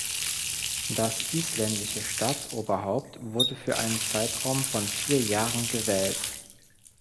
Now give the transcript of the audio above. Das isländische Staatsoberhaupt wurde für einen Zeitraum von vier Jahren gewählt.